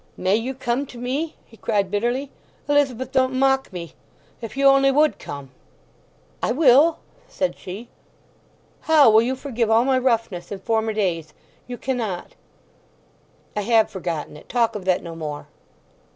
"May you come to me?" he cried bitterly. "Elizabeth, don't mock me! If you only would come!" "I will," said she. "How will you forgive all my roughness in former days? You cannot!" "I have forgotten it. Talk of that no more."